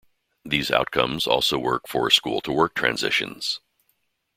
These outcomes also work for school to work transitions.